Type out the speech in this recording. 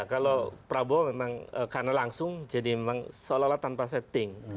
kalau prabowo memang karena langsung jadi memang seolah olah tanpa setting